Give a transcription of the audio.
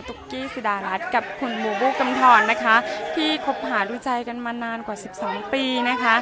ตุ๊กกี้สิดารัสกับคุณบูบูกลำถอนที่คบหารู้ใจกันมานานกว่า๑๒ปี